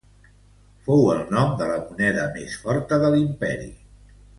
Fou el nom de la moneda més forta de l'imperi.